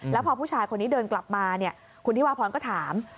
แล้วพอผู้ชายคนนี้เดินกลับมาคุณธิวาพรก็ถาม